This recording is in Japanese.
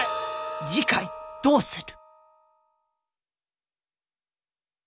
次回どうする。